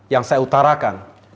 yang saya utarakan